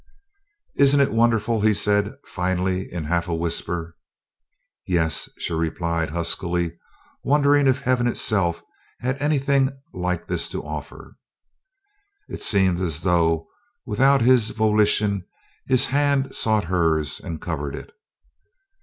"Isn't it wonderful?" he said, finally, in a half whisper. "Yes," she replied, huskily, wondering if Heaven itself had anything like this to offer. It seemed as though without his volition his hand sought hers and covered it.